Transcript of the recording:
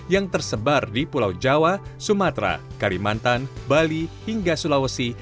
yang tersebar di pulau jawa sumatera kalimantan bali hingga sulawesi